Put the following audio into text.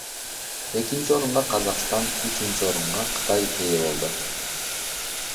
Экинчи орунга Казакстан, үчүнчү орунга Кытай ээ болду.